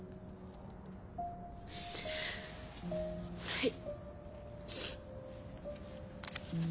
はい。